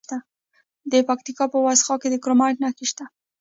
د پکتیکا په وازیخوا کې د کرومایټ نښې شته.